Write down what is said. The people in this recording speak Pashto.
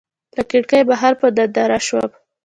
له کړکۍ بهر په ننداره شوم.